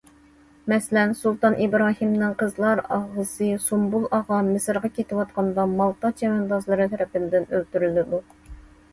مەسىلەن، سۇلتان ئىبراھىمنىڭ قىزلار ئاغىسى سۇمبۇل ئاغا مىسىرغا كېتىۋاتقاندا مالتا چەۋەندازلىرى تەرىپىدىن ئۆلتۈرۈلىدۇ.